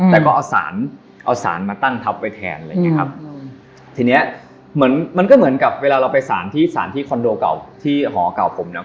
แต่ก็เอาสารเอาสารมาตั้งทับไปแทนเลยไงครับทีนี้มันก็เหมือนกับเวลาเราไปสารที่คอนโดเก่าที่หอเก่าผมเนี่ย